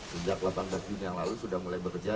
sejak delapan belas juni yang lalu sudah mulai bekerja